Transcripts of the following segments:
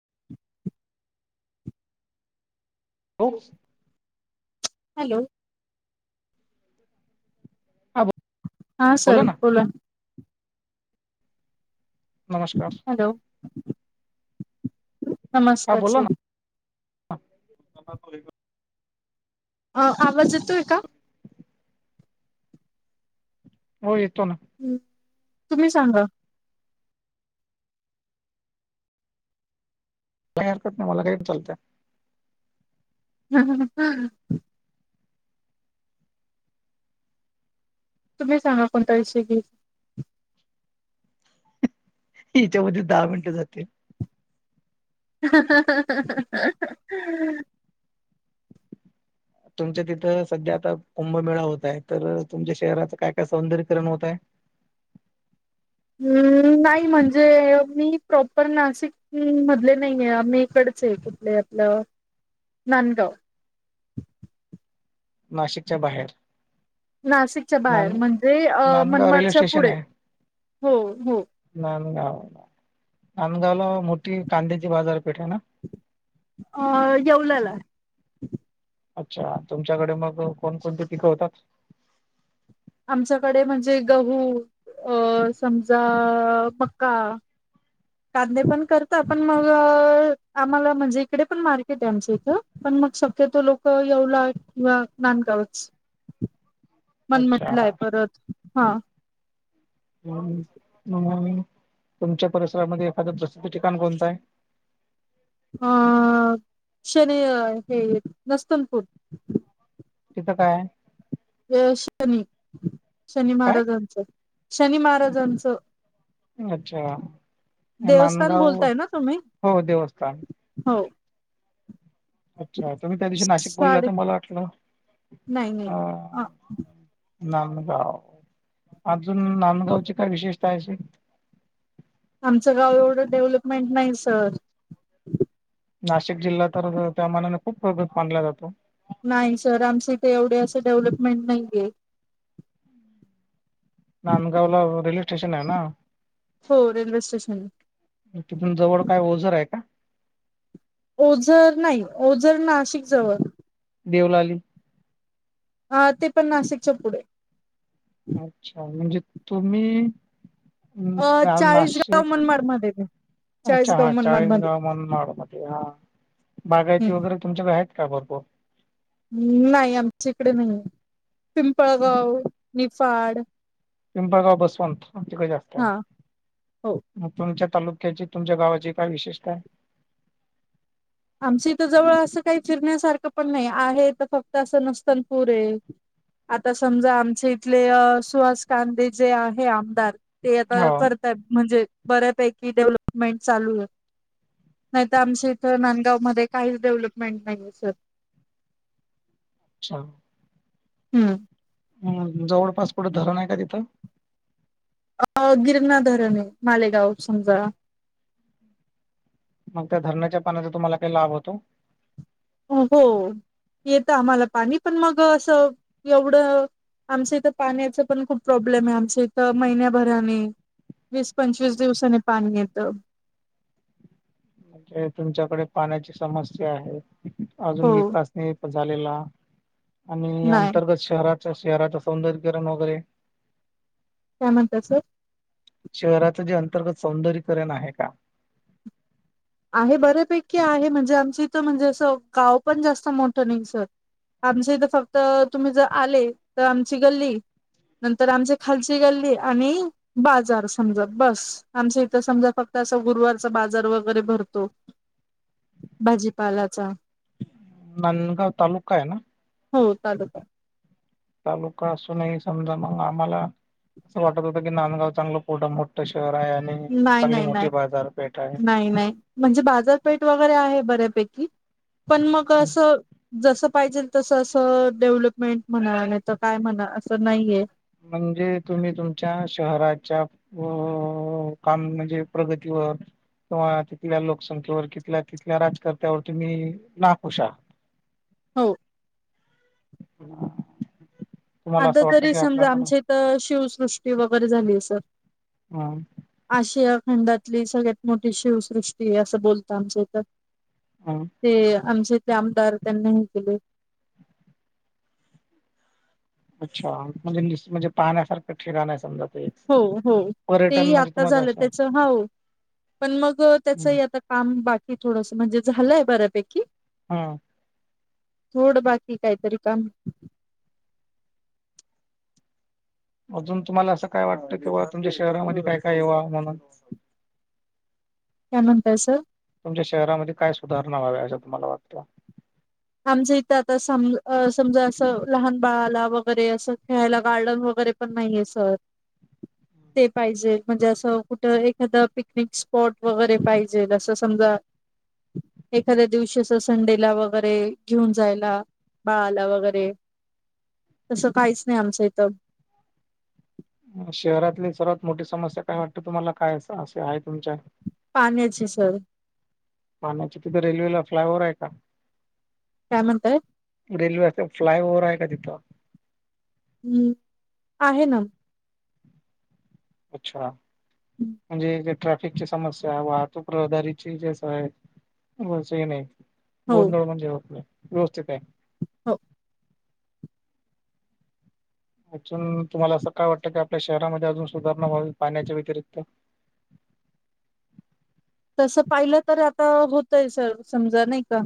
[inaudible] [inaudible] Hello. हा हा sir बोला. नमस्कार. हॅलो. ह नमस्कार बोला ना. सर अ आवाज येतोय का? हो येतो ना. ह् तुम्ही सांगा. काही हरकत नाही मला काही चालतय. हम्म हम हम्. तुम्ही सांगा कोणता विषयी घेऊ. याच्यामध्ये दहा मिनिटं जातील. हा हा हा. तुमच्या तिथं सध्या आता कुंभमेळा होतय तर तुमच्या शहराच काय काय सौंदर्यकरण होतय. हम्म नाही म्हणजे मी प्रॉपर नाशिक हम्म मधले नाहीये आम्ही इकडच आहे कुठले आपलं नांदगाव. नाशिकच्या बाहेर. नाशिकच्या बाहेर नान म्हणजे नांदगाव रेल्वे मनमाडच्या स्टेशन पुढे आहे हो हो. नांदगाव नांदगावला मोठी कांद्याची बाजारपेठ आहे ना. अ येवलाला अच्छा तुमच्याकडे मग कोणकोणती पिकं होतात. आमच्याकडे म्हणजे गहू अ समजा मका. कांदे पण करत पण मग आम्हाला म्हणजे इकडे पण मार्केट आहे आमच्या इथं. पण मग शक्यतो लोक येवला किंवा नानकावच अच्छा परत हा ह तुमच्या परिसरामध्ये एखादं प्रसिद्ध ठिकाण कोणत आहे?? अ शन हे नस्तनपूर. तिथं काय आहे? अ शनी शनी काय महाराजांचं शनी महाराजांचं. अच्छा देवस्थान नांदगाव हो देवस्थान. होय. अच्छा तुम्ही त्या दिवशी नाशिक बोलला साडे तर मला वाटलं. नाही नाही नांदगाव अजून नांदगावची काय विशेषता अशी? आमचं गाव एवढं डेव्हलपमेंट नाही सर. नाशिक जिल्हा तर त्या मनाने खूप प्रगत मानला जातो. नाही सर आमचं इथे एवढे असं डेव्हलपमेंट नाही काही. नांदगाव ला रेल्वे स्टेशन आहे ना? हो रेल्वे स्टेशन आहे. तिथून जवळ काय ओझर आहे का? ओझर नाही ओझर नाशिक जवळ. देवलाली. हा ते पण नाशिकच्या पुढे. अच्छा म्हणजे तुम्ही. अ हम् चाळीसगाव नाशिक. मनमाड मध्ये अच्छा चाळीसगाव हा मनमाड चाळीस मध्ये गाव म्हण मड म हा बागायती वगैरे. तुमच्याकडे आहेत का भरपुर? नाही आमच्या इकडे नाही पिंपळगाव निफाड. पिंपळगाव बसवंत तिकडे जास्त आहे. हा हो मग तुमच्या तालुक्याची तुमच्या गावाची काय विशेषता आहे? आमच इथं जवळ असं काही फिरण्यासारखं पण नाही आहे तर फक्त असं नस्तनपूर आहे. आता समजा आमचे इथले सुहास कांदे जे आहे आमदार ते आता हो कर म्हणजे बऱ्यापैकी डेव्हलपमेंट चालू आहे नाहीत आमच्या इथ ना गाव मध्ये काहीच डेव्हलपमेंट नाहीेये सर. अच्छा. हम्म. हम्म जवळपास कुठं धरण आहे का तिथं? अ गिरणा धरण आहे मालेगाव समजा. मग त्या धरणाच्या पाण्याचा तुम्हाला काही लाभ होतो? हो येत आम्हाला पाणी पण मग असं एवढं आमचं इथं पाण्याच पण खूप प्रॉब्लेम आहे आमच्या इथं महिन्याभराने. वीस पंचवीस दिवसाने पाणी येतं. म्हणजे तुमच्याकडे पाण्याची समस्या आहे हो अजून विकास नाही. झालेला आणि नाही अंतर्गत शहराच्या शहराच सौंदर्यकरण वगैरे. काय म्हणता सर? शहराचं जे अंतर्गत सौंदर्यकरण आहे का? आहे बऱ्यापैकी आहे म्हणजे आमच इथं म्हणजे असं गाव पण जास्त मोठं नाही सर. आमचे इथं फक्त तुम्ही जर आले तर आमची गल्ली. नंतर आमची खालची गल्ली आणि बाजार समजा बस आमच इथं समजा फक्त असं गुरुवारचा बाजार वगर वगैरे भरतो भाजीपालाचा. नांदगाव तालुका आहे ना? हो तालुका. तालुका असूनही समजा मंग आम्हाला असं वाटत होतं की नांदगाव चांगलं पोडा मोठं शहर आहे आणि चांगली मोठी बाजारपेठ आहे. नाही-नाही म्हणजे बाजारपेठ वगैरे आहे बऱ्यापैकी पण मग असं जसं पाहिजेल तसं असं डेव्हलपमेंट म्हणा, नाही तर काय म्हणा, असं नाहीये. म्हणजे, तुम्ही तुमच्या शहराच्या व काम म्हणजे प्रगतीवर किंवा तिथल्या लोकसंख्येवर तिथल्या-तिथल्या राजकर्त्यावर तुम्ही ना खुशा हाव. ह आता तरी समजा आमच्या इथं शिवसृष्टी वगैरे झालीये सर हां. आशिया खंडातली सगळ्यात मोठी शिवसृष्टीय असं बोलता आमच्या इथं. हां. ते आमचे ते आमदार त्यांनी हे केले. अच्छा म्हणजे नीस म्हणजे पाण्यासारखं ठेरा नाही समजा. ते एक हो हो ते पर्यटन ही म्हणजे आता तुम्हाला झालं असं त्याचा हाव पण मग त्याचही आता काम बाकी थोडसा म्हणजे झालंय बऱ्यापैकी हां. थोडं बाकी काहीतरी काम. अजून तुम्हाला असं काय वाटतं की बा तुमच्या शहरामध्ये काय काय येवा म्हणून? काय म्हणताय सर? तुमच्या शहरामध्ये काय सुधारणा वाव्या असं तुम्हाला वाटतं? आमच इथे आता सम अ समजा असं, लहान बाळाला वगैरे असं खेळायला गार्डन वगैरे पण नाहीये सर. ते पाहिजे म्हणजे असं कुठं एखादा पिकनिक स्पॉट वगैरे पाहिजेल, असं समजा एखाद्या दिवशीचा संडेला वगैरे घेऊन जायला बाळाला वगैरे, तसं काहीच नाही आमचं इथं. हा शहरातली सर्वात मोठी समस्या काय वाटतं तुम्हाला काय असे आहे तुमच्या? पाण्याची सर. पाण्याची तिथे रेल्वेला फ्लाव्हर आहे का? काय म्हणताय? रेल्वेचा फ्लाय ओव्हर आहे का तिथं? हम्म, आहे ना. अच्छा, म्हणजे जे ट्रॅफिकची समस्या, वाहतूक रहदारीची जसं आहे. [unintelligible] हो गोंदळ म्हणजे होत नाही व्यवस्थित आहे. हो. अजून तुम्हाला असं काय वाटतं की, आपल्या शहरामध्ये अजून सुधारणा व्हावी पाण्याच्या व्यतिरिक्त? तसं पाहिलं तर आता होतय सर समजा नाही का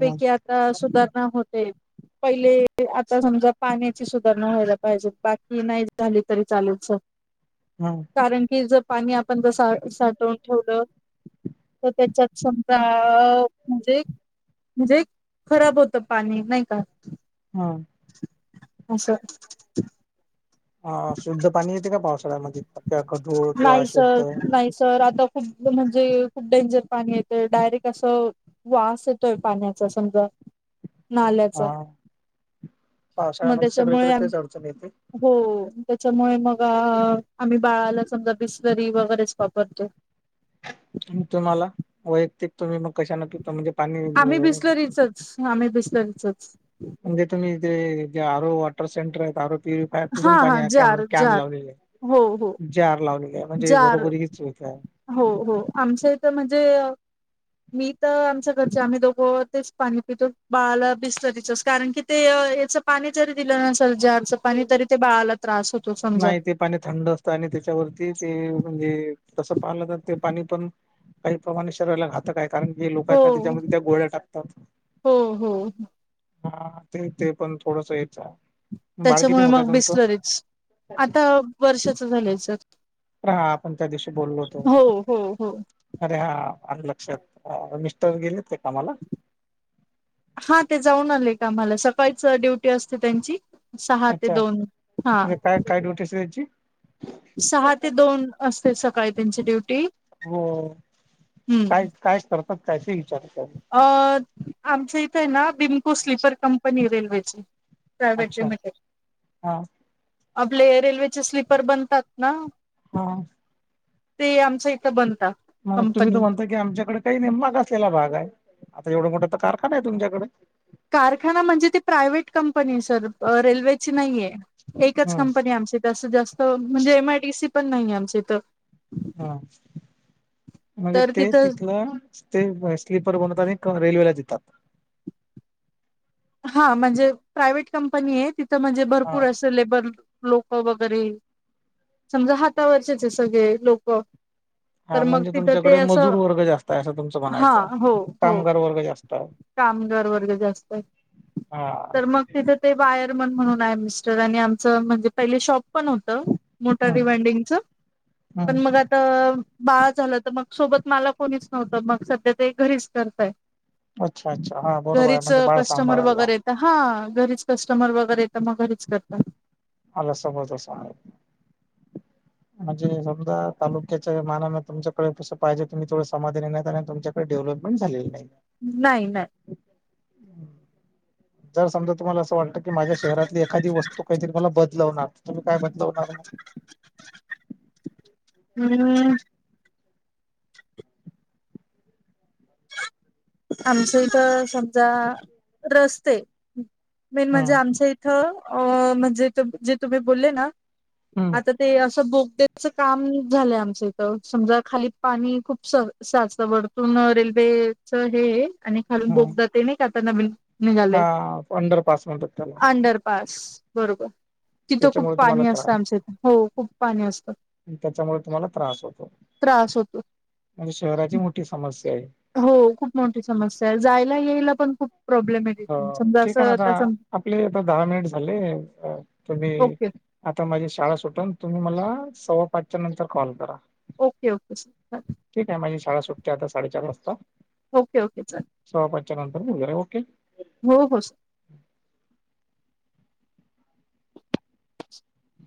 ह आ ता सुधारणा होतेय. पहिले आता समजा पाण्याची सुधारणा व्हायला पाहिजे, बाकी नाही झाली तरी चालेल सर. [inaudible] हां. कारण की ज पाणी आपण ज सा-साठवून ठेवलं. हो त्याच्यात संपा अ म्हणजे. म्हजे खराब होतं पाणी, नाही का? हां असं हां शुद्ध पाणी येते का पावसाळ्यामध्ये? पत्या, गढूळ किंवा नाही सर अशुद्ध. नाही सर आता खूप म्हणजे खूप डेंजर पाणी येतंय, डायरेक्ट असं वास येतोय पाण्याचा समजा. हा नाल्याचा म पावसाळ्यामध्ये तेच्यामुळे सगळीकडे आम् तेच अडचण येते हो, त्याच्यामुळे मग आम्ही बाळाला समजा बिस्लरी वगैरेच वापरतो. हंम् तुम्हाला वैयक्तिक तुम्ही म कशानं पिता म्हणजे पाणी ल हां मी बिस्लरीचच म्हणजे तुम्ही जे हे आर ओ वॉटर सेंटर आहेत आर ओ ते प्याप चे हा पण हा अ जार कॅन-कॅन जार लावलेले ए. हो हो जार लावलेले आय, म्हणजे घरोघरी हीच सुवीताय. हो-हो, आमचं इतं म्हजे मी त आमच्या घरचे आम्ही दोघो तेच पाणी पितो. बाळला बिस्तरीचच कारण की ते य याचं पाणी जरी दिलं नसेल जरच पाणी तरी ते बाळाला त्रास होतो समजा. नाही ते पाणी थंड असतं आणि त्याच्यावरती ते म्हणजे तसं पालं तर ते पाणी पण काही प्रमाणे शरीराला घातक आहेत. कारण की हो लोकाएतना त्याच्यामध्ये त्या गोळ्या टाकतात. हो हो हां ते-ते पण थोडसं हेचाय. त्याच्यामुळे मग बिस्लरीच. आता वर्षाचं झालंय सर. त्र हां आपण त्या दिवशी बोललो होतो. हो हो हो अरे हां आल लक्षात, मिस्टर गेलेत का कामाला? हां ते जाऊन आले कामला, सकाळीच ड्युटी असते त्यांची. सहा ते अचा दोन हा म्हजे काय-काय ड्युटी अस त्याची. सहा ते दोन असते सकाळी त्यांची ड्युटी. हो, हम्म काय-काय करतात काय ते विचारा त्यांना? अं आमच्या इतंए ना बिंकू स्लीपर कंपनीए रेल्वेची. प्रायवट अच्छा लिमिटेड. हा आपले रेल्वेचे स्लीपर बनतात ना हो ते आमच्या इतं बनता. मग तुम्ही त म्हणता की आमच्याकडे काही नाहीे मागासलेला भाग आहे. आता एवढा मोठा त कारखाना आहे तुमच्याकडे. कारखाना म्हणजे ती प्रायव्हेट कंपनी सर, रेल्वेची नाहीये. एकच हम्म कंपनी आमचीत असं जास्त म्हणजे एमआयटीसी पण नाहीए आमचीतं. हां, मगे तर ते तिथं तिथलं ते ब स्लीपर बनवतात आणि क रेल्वेला देतात. हां म्हणजे प्रायवेट कंपनीए तिथं म्हणजे हा भरपूर असं लेबर लोकं वगैरे समजा हातावरचेचए सगळे लोकं. हां म्हणजे तुमच्याकडे मजूर वर्ग जास्त आय असं तुमचं हा म्हणायचंय, हो हो कामगार वर्ग जास्त आय. कामगार वर्ग जास्त आय. हा तर मग तिथे ते वायरमन म्हणून आय मिस्टर आणि आमचं म्हणजे पहिले शॉप पण होतं. मोटारी हम्म वायंडींग चं पण हम्म मग आत तर बाळ झालं तर मग सोबत मला कोणीच नव्हतं मग सध्या ते घरीच करतय. अच्छा अच्छा हा बरोबर आहे म्हणजे बाळ कस्टमर सांभाळायला. वगैरे हा घरीच कस्टमर वगैरे येत मग घरीच करत. आला समज असा आहे. म्हणजे समजा तालुक्याच्या मानान तुमच्याकडे कसं पाहिजे तुम्ही थोड समाधानी नाही आणि तुमच्या बर डेव्हलपमेंट झालेलं आहे. नाही नाही. जर समजा तुम्हाला असं वाटतं की माझ्या शहरातली एखादी वस्तू काहीतरी मला बदलवणार. तुम्ही काय बदलवणार मग? हम्म. आमच इथ समजा रस्ते मेन म्हणजे हम्म आमच्या इ थ अ म्हणजे जे तुम्ही बोलले ना? हम्म आता ते असं बोगद्याचं काम झालंय आमचं इथं समजा खाली पाणी खूप स सा स वरतून रेल्वे च हे आणि खालून हम्म बोगदा ते नाही का आता नवीन निघाले. हा अंडरपास म्हणतात त्याला अंडरपास बरोबर. तिथं खूप त्याच्यामुळे तुम्हाला पाणी असतं आमच्या इथ. हो खूप पाणी असतं. अन त्याच्यामुळे तुम्हाला त्रास होतो. त्रास होतो म्हणजे शहराची मोठी समस्या आहे. हो खूप मोठी समस्या आहे. जायला यायला पण खूप प्रॉब्लेम आहे हो तिथून समजा ठीक आहे ना असं आता सम आपले आता दहा मिनिट झाले. तुम्ही ओके आता माझी शाळा सुटून. तुम्ही मला सव्वा पाचच्या नंतर कॉल करा. Okay okay sir bye. ठीक आहे. माझी शाळा सुटते आता साडेचार वाजता. ओके ओके चाल. सव्पाचच्या नंतर वगैरे ओके - - हो हो स [inaudible] [inaudible]